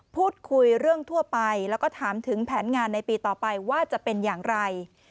พูดคุยเรื่องทั่วไปแล้วก็ถามถึงแผนงานในปีต่อไปว่าจะเป็นอย่างไร